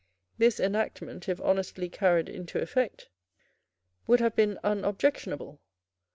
This enactment, if honestly carried into effect, would have been unobjectionable.